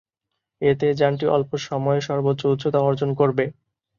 এতে যানটি অল্প সময়ে সর্বোচ্চ উচ্চতা অর্জন করবে।